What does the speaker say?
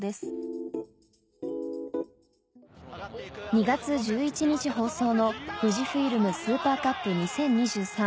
２月１１日放送の『ＦＵＪＩＦＩＬＭＳＵＰＥＲＣＵＰ２０２３』